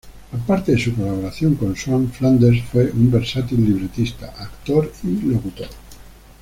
Aparte de su colaboración con Swann, Flanders fue un versátil libretista, actor y locutor.